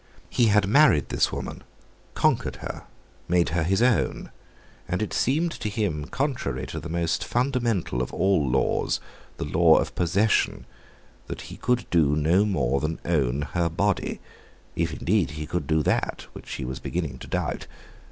He had married this woman, conquered her, made her his own, and it seemed to him contrary to the most fundamental of all laws, the law of possession, that he could do no more than own her body—if indeed he could do that, which he was beginning to doubt.